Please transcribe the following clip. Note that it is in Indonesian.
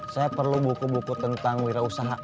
saya perlu buku buku tentang wirausaha